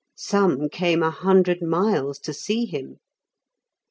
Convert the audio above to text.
Some came a hundred miles to see him.